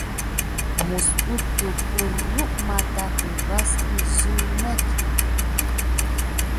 Misbukine kurum mantaki vas suck ya sane neke.